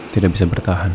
tidak bisa bertahan